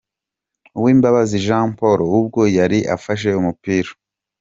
Uwimbabazi Jean Paul ubwo yari afashe umupira.